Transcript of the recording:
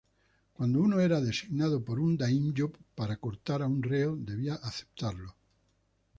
Cuando uno era designado por un daimyo para cortar a un reo, debía aceptarlo.